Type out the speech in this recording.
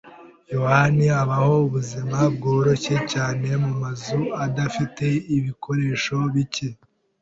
yohani abaho ubuzima bworoshye cyane mumazu adafite ibikoresho bike.